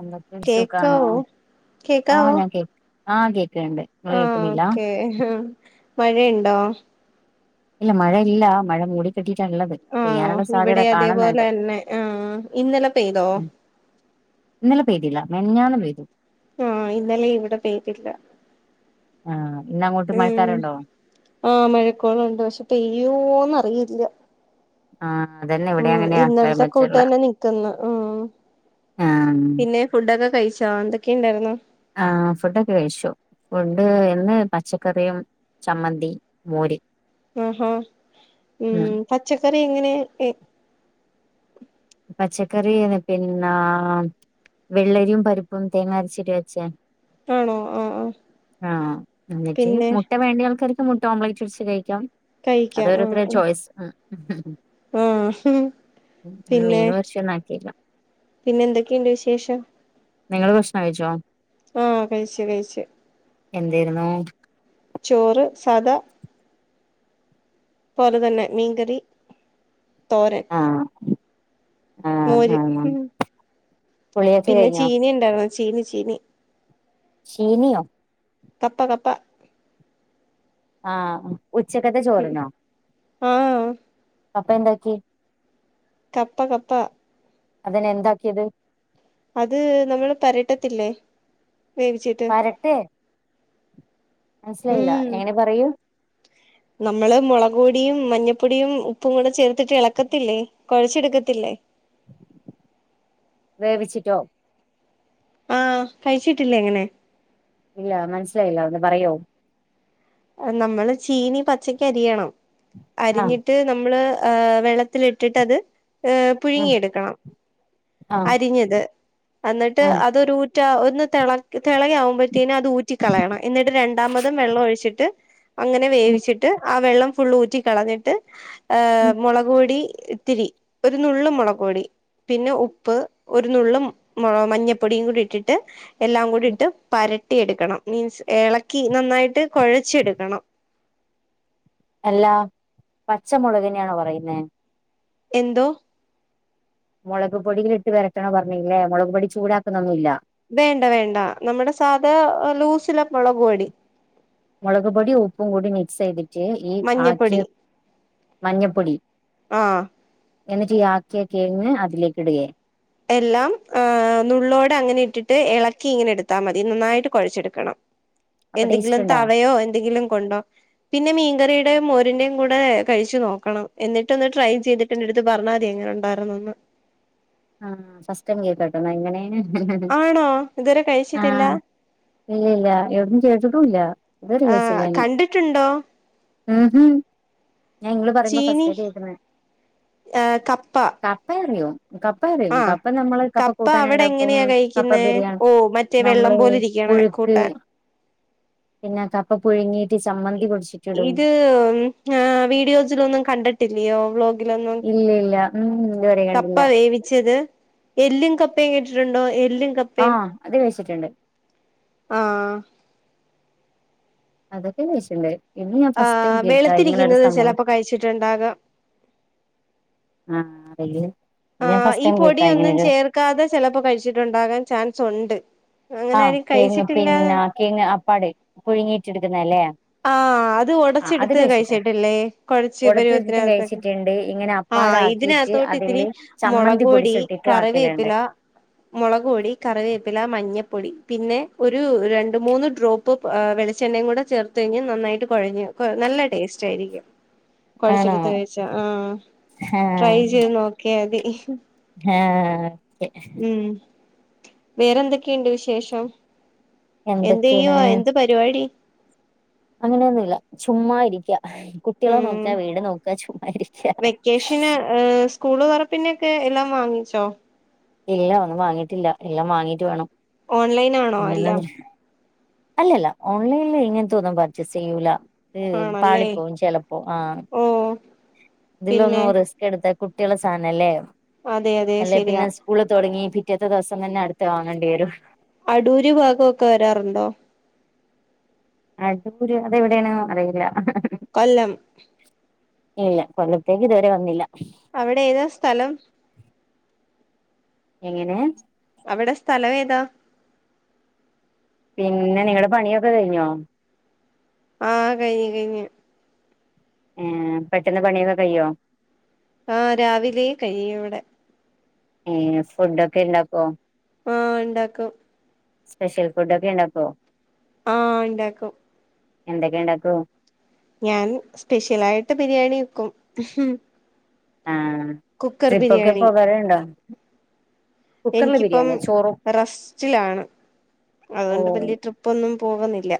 എന്തൊക്കെ സുഖാണോ കേക്കാവോ ആഹ് കേക്കാവോ ഞാൻ കേ ആഹ് കേക്ക്ണ്ട് ഇങ്ങള് ആഹ് കേക്കുന്നില്ല ഓക്കേ മഴയുണ്ടോ ഇല്ല മഴ ഇല്ല മഴ മൂടിക്കെട്ടിട്ടാള്ളത് ആ പെയ്യാനുള്ള സാധ്യത ഇവിടെ അതേപോലെ കാണുന്നുണ്ട് തന്നെ ആ ഇന്നലെ പെയ്തോ ഉം ഇന്നലെ പെയതില്ല മെനഞ്ഞാന്ന് പെയ്തു ആഹ് ഇന്നലെ ഇവിടെം പെയ്തില്ല ആഹ് ഇന്നങ്ങോട്ട് ഉം മഴക്കാറുണ്ടോ ആഹ് മഴക്കോളുണ്ട് പക്ഷെ പെയ്യുവോന്ന് അറിയില്ല. ആ അതന്നെ ഇവിടെ അങ്ങനെയാ ഇന്നലത്തെ കൂട്ട് ക്ലൈമറ്റ്ള്ള തന്നെ നിക്കുന്നു ഉം ആഹ് പിന്നെ ഫുഡൊക്കെ കഴിച്ചോ എന്തൊക്കെ ഇണ്ടായിരുന്നു ആ ഫുഡൊക്കെ കഴിച്ചു ഫുഡ് എന്ന് പച്ചക്കറിയും ചമ്മന്തി മോര്. ആഹാ ഉം പച്ചക്കറി എങ്ങനെ പച്ചക്കറി പിന്ന വെള്ളരിയും പരുപ്പും തേങ്ങാ അരച്ചിടി വെച്ച ആണോ ആഹ് ആഹ് ആഹ് എന്നിട്ട് പിന്നെ മുട്ട വേണ്ടിയൾക്ക മുട്ട ഓംലേറ്റ് വെച്ച് കഴിക്കാം അത് കഴിക്കാം ഓരോരുത്തരുടെ ചോയ്സ് ഉം ഇന്ന് മീനും ഇറച്ചിയും ഒന്നും ആക്കിയില്ല. പിന്നെ എന്തൊക്കെയുണ്ട് വിശേഷം. നിങ്ങള് ഭക്ഷണം കഴിച്ചോ. ആഹ് കഴിച്ചു കഴിച്ചു. എന്തേരുന്നു. ചോറ് സദാ പോലെ തന്നെ മീൻകരി തോരൻ. ആഹ മോര് കുളിയൊക്കെ പിന്നെ കഴിഞ്ഞോ ചീനി ഉണ്ടായിുന്നോ ചീനി ചീനി ചീനിയോ കപ്പ കപ്പ ആഹ ഉച്ചക്കത്തെ ഉം ചോറിനോ ആഹ് അപ്പൊ എന്താക്കി കപ്പ കപ്പ അതിന്നെ എന്താക്കിയത്. അത് നമ്മള് പരട്ടത്തില്ലേ വേവിച്ചിട്ട് പരട്ടെ മനസ്സിലായില്ല ഉം എങ്ങനെ പറയൂ. നമ്മള് മുള പൊടിയും മഞ്ഞപ്പൊടിയും ഉപ്പും കൂടെ ചേർത്തിട്ട് ഇളക്കത്തില്ലേ കുഴച്ചെടുക്കത്തില്ലേ വേവിച്ചിട്ടോ ആഹ കഴിച്ചിട്ടില്ലേ എങ്ങനെ ഇല്ല മനസ്സിലായില്ല ഒന്ന് പറയോ നമ്മള് ചീനി പച്ചക്കരിയണം ആഹ് അരിഞ്ഞിട്ട് നമ്മള്ഹ് വെള്ളത്തിലിട്ടിട്ട്ത് ഉം പുഴുങ്ങിയെടുക്കണം. ആഹ് അരിഞ്ഞത് എന്നിട്ട് ഉം അതൊരു ഊറ്റ ഒന്ന് തിള തിളക ആവുമ്പോഴത്തേനും അത് ഊറ്റ കളയണം എന്നിട്ട് രണ്ടാമതും വെള്ളം ഒഴിച്ചിട്ട് അങ്ങനെ ഉം വേവിച്ചിട്ട് ആ വെള്ളം ഫുള്ള് ഊറ്റ കളഞ്ഞിട്ട് ഹ് ഉം മുളകൊടി ഒത്തിരി ഒരു നള്ള് മുളകൊടി പിന്നെ ഉപ്പ് ഉപ്പ് ഒരുനുള്ളും മഞ്ഞപ്പൊടിയും കൂടി ഇട്ടിട്ട് എല്ലാം കൂടി ഉം ഇട്ട് പര ട്ടിയെടുക്കണം മീൻസ് ഇളക്കി നന്നായിട്ട് കുഴച്ചെടുക്കണം. എല്ലാ പച്ചമുളകനെയാണോ പറയുന്നേ. എന്തോ മുളക് പൊടിൽിട്ട് വരട്ടണോ പറഞ്ഞല്ലേ മുളക് പൊടി ചൂടാക്കുന്നൊന്നുമില്ല വേണ്ട വേണ്ട നമ്മുടെ സാധ ലൂസില മുളകപടി മളകപൊടി ഉപ്പും കൂടി മിക്സ ചെയട്ട് ഈ ആക്കി മഞ്ഞപ്പൊടി മഞ്ഞപ്പൊടി ആഹ് എന്നിട്ട് ഈയാക്ക കഴിഞ്ഞ് അതിലേക്ക ഇടുകയേ എല്ലാം ഹ നുള്ളോടെ അങ്ങനെ ഇട്ടിട്ട് ഇളക്കി ഇങ്ങനെ എടുത്താൽ മതി നന്നായിട്ട് കുഴച്ചെടുക്കണം അപ്പൊ ടേസ്റ്റ് എന്തെങ്കിലും ഉണ്ടാ തവയോ എന്തെങ്കിലും കൊണ്ടോ പിന്നെ മീൻകറിയുടെ മോരിന്റെയും കൂടെ കഴിച്ചു നോക്കണം എന്നിട്ടൊന്ന് ട്രൈ ചെയ്തി പ്പന്റെട്ത്ത് പർണതിര്ന്നുണ്ടര്ന്നന്ന് ആ ഫസ്റ്റ്ടൈം കേക് ട്ടാ എങ്ങനെന് ആണോ ഇതുവരെ കഴിച്ചിട്ടില്ല ഇല്ലില്ല എവിട്ന്നും കേട്ടിട്ടുല്ല ഇത്വരെ കഴിച്ചില്ല ട്ടുണ്ടോ ഹ് ഹം ഞാൻ ഇങ്ങള് പറയുമ്പോ ഫസ്റ്റ് യിട്ട് കേക്ക്ന്ന ഏ ഹ് കപ്പ കപ്പ അറിയോ കപ്പ അറിയും ആ കപ്പ നമ്മള് കപ്പ കൂട്ടാൻ അവടെ ഉണ്ടാക്കും എങ്ങനെയാ കപ്പ കഴിക്കുന്നേ ബിരിയാണി ഓ മറ്റേ വെള്ളം നമ്മള് പോലരി ക്കണെ പുഴുക്ക് കൂട്ടാൻ പിന്നെ കപ്പ പുഴുങ്ങിയിട്ട് ചമ്മന്തി പൊടിച്ചി ഇത് മ്മ്. വീഡിയോസിലൊന്നും കണ്ടിട്ടില്ലയോ വ്ലോഗ് ലൊന്നു ഇല്ല ഇല്ല ഉം ഇതുവരെ കപ്പ കണ്ടില്ല വേവിച്ചത് എല്ലു കപ്പേയേ കേട്ടിട്ടുണ്ടോ എല്ലും കപ്പ ആ അത് കയിച്ചിട്ടുണ്ട് ആഹആ അതൊക്കെ കഴിച്ണ്ട്. ഇന്ന് ഞാ ഫസ്റ്റ് ടൈം ആഹ് കേക്കാ ഇങ്ങനൊരു വെളുത്തിരിക്കുന്നത് സംബവ. ചിലപ്പോ കഴിച്ചിട്ടുണ്ടാകാം.. ആറീല്ല്യ. ഞാൻ ഫസ്റ്റ് ടൈം കേകാ ഇങ്ങനൊരു.. ക്കാതെ ചെലപ്പോ കഴിച്ചിട്ടുണ്ടാകാൻ ചാൻസ്ണ്ട്. അങ്ങനെ ആഹ് ആരും കേങ്ങ് കഴിച്ചിട്ടില്ലാ.. പിന്നെ കേങ്ങ് അപ്പാട് പുഴുങ്ങിറ്റ് എടുക്കുന്നലേ.. ആഹ് അത് ഉടച്ചെടുത്ത് കഴിച്ചിട്ടില്ലേ കൊഴച്ച് ഒടത്തി വെച്ചിട്ടും പരിവത്തിനകത്തൊക്കെ.. കഴിച്ചിട്ടുണ്ട് ഇങ്ങനെ ആഹ് അപ്പാടാക്കിയിട്ട് ഇതിനകത്തോട്ട് ഇത്തിരി അതില് ചമ്മന്തി മുളകൊടി പൊടിച്ചിട്ടിട്ടും ആക്കലുണ്ട് കറിവേപ്പില.. മുളക് പൊടി കറിവേപ്പില മഞ്ഞപ്പൊടി പിന്നെ ഒരു രണ്ട് മൂന്ന് ഡ്രോപ്പ്.. ട്രോപ്പ്. വെളിച്ചെണ്ണയും കൂടെ ചേർത്തയിഞ്ഞ നന്നായിട്ട് കൊഴഞ്ഞ് നല്ല ടേസ്റ്റ് ആയിരിക്കും.. ആണോ കുഴച്ചെടുത്ത് കഴിച്ച ആഹ് ട്രൈ ചെയ്ത് നോക്കിയതി.. ഹേഹ് ഉം. വേറെന്തൊക്കെണ്ട് വിശേഷം എന്തയ്യോ. എന്തൊക്കെയാണ് എന്ത്.. പരിവാടി.. അങ്ങനൊന്നുല്ല. ചുമ്മാ ഇരിക്യ.. കുട്ട്യോളെ ഉം നോക്കാ വീട് നോക്ക ചുമ്മാ ഇരിക്ക.. വെക്കേഷന് ഏഹ് സ്കൂള് തൊറപിന്നെക്കെ എല്ലാം വാങ്ങിച്ചോ.. ഇല്ല ഒന്നും വാങ്ങിയിട്ടില്ല എല്ലാം വാങ്ങീട്ട് വണം ഓൺലൈൻ ആണോ എല്ലാം അങ്ങനെ.. അല്ലല്ല ഓൺലൈനില് ഇങ്ങന് തൊന്നും പർച്ചേസ് യ്യൂല.. ഉം. ആണല്ലേ പളിപ്പവും ചേലപ്പൊ. ആഹ് ഓഹ് ഇതിലൊന്നു. പിന്നെ റിസ്.. റിസ്ക് എടുത്ത കുട്ട്യോളെ സാനല്ലേ അതെ അതെ എല്ലേ ശരിയാ പിന്നെ സ്.. സ്കൂള് തൊടങ്ങി പിറ്റേത്തെ ദിവസം തന്നെ അടുത്തെ. വാങ്ങേണ്ടിരും.. അടൂര് ഭാഗൊക്കെ വരാറുണ്ടോ.. അടൂര് അതെവിടെണ് അറില.. കൊല്ലം.. ഇല്ല കൊല്ലത്തേക്. ഇതുവരെ വന്നില്ല.. അവിടെ ഏതാ സ്ഥലം.. എങ്ങനെ.. അവിടെ സ്ഥലവെത.. പിന്നെ നിങ്ങളെ പണിയൊക്കെ കഴിഞ്ഞോ.. ആഹ് കഴിഞ്ഞ് കഴിഞ്ഞ്.. ഏഹ് പെട്ടെന്ന് പണിയൊക്കെ കയ്യോ.. ആഹ് രാവിലെ കയ്യുവടെ.. ഏഹ് ഫുഡൊക്കെ ഇണ്ടാക്കോ.. ആഹ് ഇണ്ടാക്കും സ്പെഷ്യൽ ഫുഡ് ഒക്കെ ഇണ്ടാക്കോ ആഹ് ഇണ്ടാക്കും എന്തൊക്കെ ഇണ്ടാക്കും ഞാൻ സ്പെഷ്യലായിട്ട് ബിരിയാണി വെക്കും ആഹ് കുക്കർ ട്രിപ്പൊക്കെ ബിരിയാണി പോകറുണ്ടോ എനിക്കിപ്പം റസ്റ്റിലാണ് അതുകൊണ്ട് ഓഹ് വലിയ ട്രിപ്പ് ട്രിപ്പൊന്നും പോകുന്നില്ല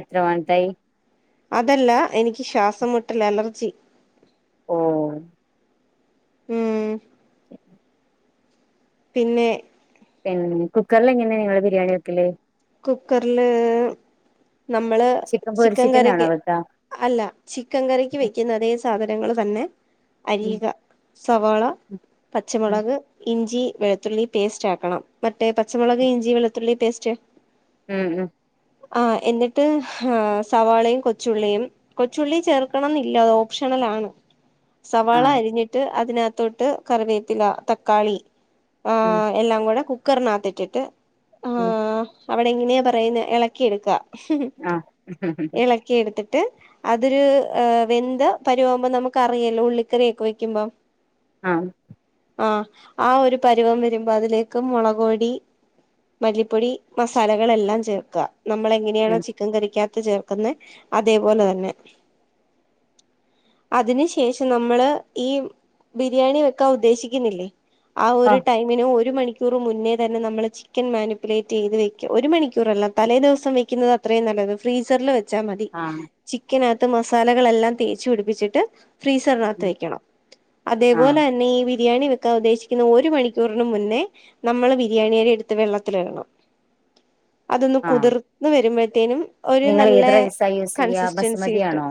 എത്ര മന്തായി അതല്ല എനിക്ക് ശ്വാസംമുട്ടൽ അലർജി ഓഹ് ഉം പിന്നെ പിന്നെ കുക്കറില് എങ്ങനെയാ നിങ്ങള് ബിരിയാണി വെക്കല് കുക്കറ്ല് നമ്മള് ചിക്കൻ പൊരിച്ചിട്ടന്നാണോ കറിക്ക് വെക്കാ അല്ല ചിക്കൻ കറിക്ക് വെക്കുന്ന അതേ സാധനങ്ങൾ തന്നെ ഉം അരിക സവാള, ഉം ഉം പച്ചമുളക്, ഇഞ്ചി, വെള് ത്തുള്ളി പേസ്റ്റ് ആക്കണം മറ്റേ പച്ചമുളക് ഇഞ്ചി വെളുത്തുള്ളി പേസ്റ്റ് ഉം ഉം ആ എന്നിട്ട് സവാളയും കൊച്ചുള്ളിയും കൊച്ചുള്ളി ചേർക്കണം എന്നില്ല അത് ഓപ്ഷണൽ ആണ് സവാള ആഹ് അരിഞ്ഞിട്ട് അതിനകത്തോട്ട് കറിവേപ്പില തക്കാളി ആ ഉം എല്ലാം കൂടെ കുക്കറിനകത്തിട്ടിട്ട് ആ ഉം അവിടെ ഇങ്ങനെയ പറയുന്ന ഇളക്കിയെട്ക്ക ആഹ് ഇളക്കി എടുത്തിട്ട് അതൊരു വെന്ത് പരിവവുമ്പോ നമുക്ക് അറിയല്ലോ ഉള്ളിക്കറിയ ഒൊക്കെ വെക്കുമ്പം ആഹ് ആഹ് ആ ഒരു പരുവം വരുമ്പോ അതിലേക്ക് മുളക്‌പൊടി മല്ലിപ്പൊടി മസാലകളെല്ലാം ചേർക്ക നമ്മൾ എങ്ങനെയാണോ ഉം ചി ക്കൻ കറിക്കാത്ത ചേർക്ക്ന്നെ അതേപോലെ തന്നെ അതിന് ശേഷം നമ്മള് ഈ ബിരിയാണി വെക്കാൻ ഉദ്ദേശിക്കുന്നില്ലേ ആ ഒരു ആഹ് ടൈമിനന് ഒരു മണിക്കൂർ മുന്നേ തന്നെ നമ്മളെ ചിക്കൻ മാനുപ്പുലേറ്റ് ചെയ്ത് വെക്ക ഒരു മണിക്കൂറല്ല തലേ ദിവസം വെക്കുന്നത് അത്രയും നല്ലത് ഫ്രീസറില് വെച്ചാൽ മതി ആഹ് ചിക്കനകത്ത് മസാലകളെല്ലാം തേച്ച് പിടിപ്പിച്ചിട്ട് ഫ്രീസറിനകത്ത് വെക്കണം അതേപോലെ ആഹ് തന്നെ ഈ ബിരിയാണി വെക്കാൻ ഉദ്ദേശിക്കുന്ന ഒരു മണിക്കൂറിനന് മുന്നേ നമ്മള് ബിരിയാണിടെ അരി എടുത്ത് വെള്ളത്തിൽ ഇടണം അതൊന്ന് ആഹ് കുതിർന്ന് വരുമ്പോഴത്തേനും ഒരു നിങ്ങൾ നല്ല ഏത് റൈസാ യൂസ് ചെയ്യാ കൺസിസ്റ്റൻസി കിട്ടും ബസുമതിയാണോ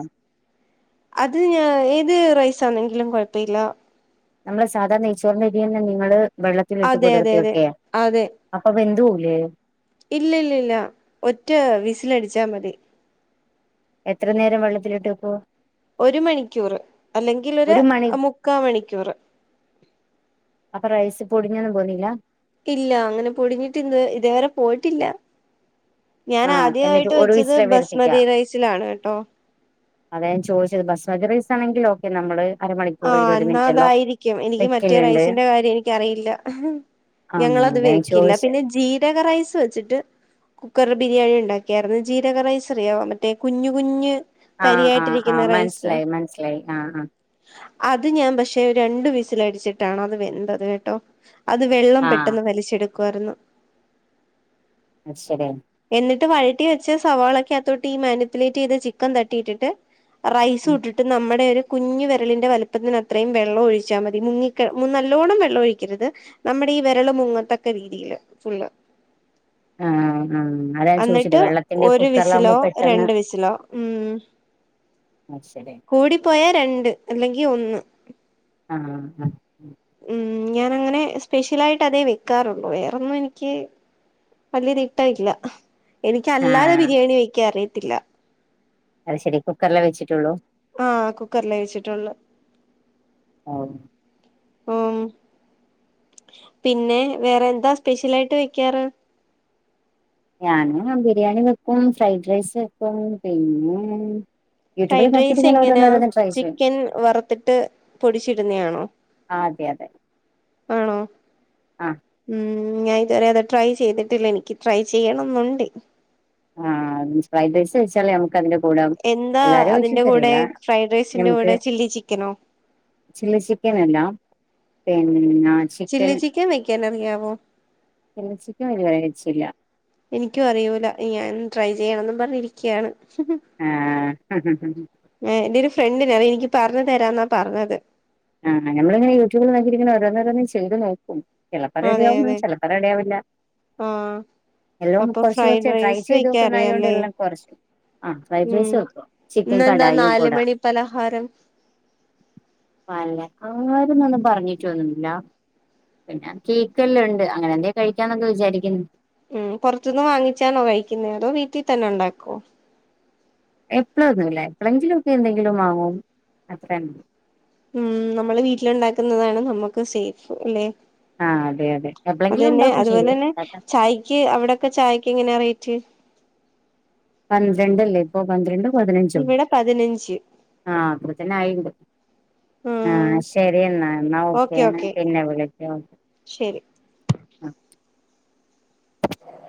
അത് ഞ ഏത് റൈസാണെങ്കിലും കുഴപ്പല്ല നമ്മളെ സാധാരണെനെയ് ച്ചോറിന്റെ അരിന്നെ നിങ്ങള് വെള്ളത്തിലിട്ട് അതെ അതെ അതെ പുതിർത്തിയക്കെ അതെ അപ്പൊ വെന്തോലെ ഇല്ല ഇല്ല ഇല്ല ഒറ്റ വിസൽ അടിച്ചാ മതി എത്ര നേരം വെള്ളത്തിലിട്ട്പ്പോ ഒരു മണിക്കൂറ് അല്ലെങ്കിൽ ഒരു മുക്കാ മണിക്കൂറ് അപ്പൊ റൈസ് പൊടിഞ്ഞൊന്നും പോന്നില്ല ഇല്ല അങ്ങനെ പൊടിഞ്ഞിട്ട് ഇന്ന് ഇതേവരെ പോയിട്ടില്ല ഞാൻ ആഹ് എന്നിട്ട് ആദ്യമായിട്ട് ഒരു വെച്ചത് വിസിലേ വരുത്തിക്ക ബസ്മതി റൈസിലാണ് കേട്ടോ അത ഞൻ ചോദിച്ചത് ബസ്മദി റൈസ് ആണെങ്കിൽ ഒക്കെ നമ്മള് അരമണിക്കൂർ ആഹ് ഇരുപത് എന്നാ മിനിറ്റ് എല്ലാം അതായിരിക്കും എനിക്ക് മറ്റേ വെക്കലുണ്ട് റൈസിന്റെ കാര്യം എനിക്കറിയില്ല ആഹ് ഞങ്ങളത് അതാ ഞാൻ വെക്കില്ല ചോദിച്ചെ പിന്നെ ജീരക റൈസ് വെച്ചിട്ട് കുക്കർ ബിരിയാണി ഉണ്ടാക്കിയായിരുന്നു ജീരക റൈസ് അറിയാാവ മറ്റേ കുഞ്ഞു കുഞ്ഞ് ആഹ ആഹ് ആ് തരിയായിട്ടിരിക്കുന്ന റൈസ് മനസ്സിലായി മനസ്സിലായി ആഹ് ആ അത് ഞാൻ പക്ഷെ രണ്ടു വിസൽടിച്ചിട്ടാണ് അത് വെന്തത് കേട്ടോ അത് വെള്ളം ആഹ് പെട്ടെന്ന് വലിച്ചെടുക്കുവരുന്നു അഷരി [inaudible] എന്നിട്ട് വഴറ്റി വെച്ച സവാളക്ക് അകത്തോട്ട് ഈ മാനിപ്പുലേറ്റ് ചെയ്ത ചിക്കൻ തട്ടിയിട്ടിട്ട് റൈസ് ഇട്ടിട്ട് നമ്മടെ ഒരു കുഞ്ഞ് വെ കരളിന്റെ വലുപ്പത്തിന് അത്രയും വെള്ളം ഒഴിച്ച മതി മുങ്ങി നല്ലോണം വെള്ളം ഒഴിക്കരുത് നമ്മുടെ ഈ വിരള് മുങ്ങത്തക്കെ രീതിയില് ഫുള്ള് ആഹ് ആ അതാ ഞാൻചോദിച്ചത് എന്നിട്ട് വെള്ളത്തിന്റെ ഒരു കുക്കറിലാകുമ്പോ വിസിലോ പെട്ടെന്ന് രണ്ട് വിസിലോ ഉം അശരി കൂടിപ്പോയാ രണ്ട് അല്ലെങ്കി ഒന്ന് ആഹ് ഉം ഞാനങ്ങനെ സ്പെഷ്യൽ ആയിട്ട് അതേ വെക്കാറുള്ള വേറൊന്നും എനിക്ക് വലിയ തിട്ടമില്ല എനിക്ക് അല്ലാതെ ആഹ് ബിരിയാണി വയ്ക്കാൻ അറിയത്തില്ല അത് ശരി കുക്കറില വെച്ചിട്ടുള്ളൂ ആഹ് കുക്കറില വച്ചിട്ടുള്ളൂ ഓഹ് ഓ പിന്നെ വേറെ എന്താ സ്പെഷ്യൽ ആയിട്ട് വെക്കാറ് ഞാൻ ബിരിയാണി വെക്കും ഫ്രൈഡ് റൈസ് വെക്കും പിന്നെ യൂട്യൂബിൽ ഫ്രൈഡ് നോക്കിട്ട് റൈസ് ഇങ്ങനെ ഓരോന്ന് എങ്ങനാ ഓരോന്ന് ട്രൈ ചെയ്യും ചിക്കൻ വറുത്തിട്ട് പൊടിച്ചിടുന്നതാണോ ആഹ് അതെ അതെ ആണോ ആഹ് ഉം ഞാൻ ഇതുവരെ അത് ട്രൈ ചെയ്തിട്ടില്ല എനിക്ക് ട്രൈ ചെയ്യണെന്നുണ്ട് ആഹ് ഫ്രൈഡ് റൈസ് കഴച്ചാലേ നമക്ക് അതിന്റെ കൂടെം എന്താ എല്ലാരും അതിന്റെ ചോദിച്ചി കൂടെ അറിയില ഫ്രൈഡ് റൈസിന്റെ കൂടെ ഞമ്മുക്ക് ചില്ലി ചിക്കനോ ചില്ലി ചിക്കൻ എല്ലാം പിന്ന ചിക്കൻ ചില്ലി വെക്കാൻ അറിയാവോ പിന്നെ ചിക്കൻ [inaudible] എനിക്കും അറിയൂല ഞാൻ ട്രൈ ചെയ്യണന്നും പറഞ്ഞിരിക്കുകയാണ് ആഹ് ആഹ് എന്റെ ഒരു ഫ്രണ്ട് എനിക്ക് പറഞ്ഞ് തരാ എന്നാ പറഞ്ഞത് ആഹ് നമ്മളിങ്ങന യൂടൂബിൽ നോക്കിയിരുന്ന് ഓരോന്ന് ചെയ്ത് നോക്കും ചിലപ്പോ അതെ റെടിയാവും അതെ ചെിലപ്പോ റെടിയാവൂല്ല ആഹ് എല്ലാം അപ്പൊ കുറച്ച് ഫ്രൈഡ് കുറച്ച് ട്രൈ റൈസ് ചെയ്ത് വെക്കാൻ നോക്കുന്ന ആയ കൊണ്ട് അറിയാല്ലേ എല്ലാം കുറച്ച് ആഹ ഫ്രൈഡ് ഉം റൈസ് വക്കും ചിക്കൻ ഇന്നെന്താ കടായിയും നാല് കൂടെ മണി പലഹാരം അഹ് അങ്ങാരന്നൊന്നും പറഞ്ഞിട്ടൊന്നുമില്ല പിന്നെ കേക്ക്ല്ലാം ഉണ്ട് അങ്ങനെ എന്തേലും കഴിക്കാന്നൊന്ന് വിചാരിക്കുന്നു ഉം പുറത്തുന്ന് വാങ്ങിച്ചാണോ കഴിക്കുന്നേ അതോ വീട്ടിൽ തന്നെ ഉണ്ടാക്കോ എപ്പള ഒന്നും ഇല്ല എപ്പോളെങ്കിലും ഒക്കെ എന്തെങ്കിലും വാങ്ങും അത്ര ഉം നമ്മള് വീട്ടില് ഉണ്ടാക്കുന്നതാണ് നമ്മുക്ക് സേഫ് അല്ലെ ആഹ് അതെ അതെ അത് എപ്പളെങ്കിലും തന്നെ ഉണ്ടാക്കും അതുപോലെ ചെയ്യും തന്നെ ചായക്ക് അവിടൊക്കെ ചായക്ക് എങ്ങനെയാ റേറ്റ് പന്ത്രണ്ടല്ലെ അല്ലേ ഇപ്പോ പന്ത്രണ്ട് പതിനഞ്ചും ഇവിടെ പതിനഞ്ച് ആഹ് [unintelligible] ഉം ആഹ് ശരി എന്നാ എന്നാ ഓക്കെ പിന്നെ വിളിക്കാ ശരി